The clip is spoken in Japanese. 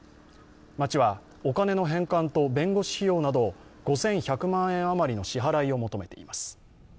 町はお金の返還と弁護士費用など５１００万円余りの支払いを求めています。